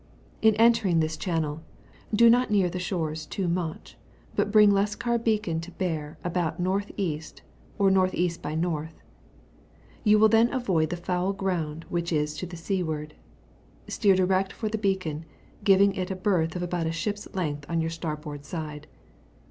In entering this channel, do not near the shores too much, but bring Leskar Beacon to bear about N.E. or N.E. by N. ; you will then avoid the foul ground which is to the seiaward; steer direct for the beacon, giving it a berth of about a ship's lengdi on your starboard side.